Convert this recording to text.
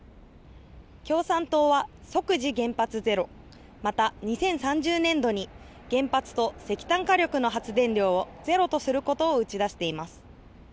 共産党は即時原発ゼロまた、２０３０年度に原発と石炭火力の発電量をゼロとすることを打ち出しています。